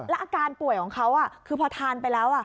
อาการป่วยของเขาคือพอทานไปแล้ว